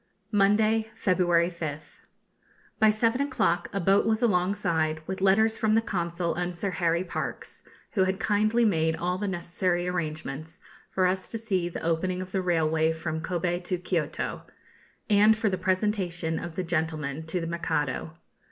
Monday, February 5th. By seven o'clock a boat was alongside with letters from the Consul and Sir Harry Parkes, who had kindly made all the necessary arrangements for us to see the opening of the railway from Kobe to Kioto, and for the presentation of the gentlemen to the Mikado.